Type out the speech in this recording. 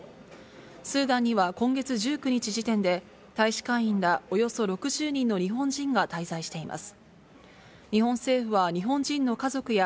スーダンには今月１９日時点で、大使館員らおよそ６０人の日本人が滞在しています。